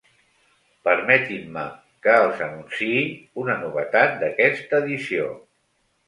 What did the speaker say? Permetin-me que els anunciï una novetat d'aquesta edició.